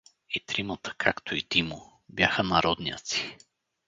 И тримата, както и Димо, бяха народняци.